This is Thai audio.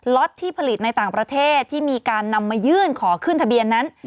ที่ผลิตในต่างประเทศที่มีการนำมายื่นขอขึ้นทะเบียนนั้น